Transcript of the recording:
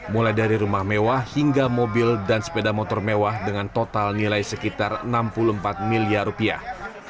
mulai dari rumah mewah hingga mobil dan sepeda motor mewah dengan total nilai sekitar enam puluh empat miliar rupiah